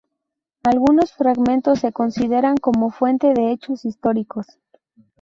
Algunos fragmentos se consideran como fuente de hechos históricos.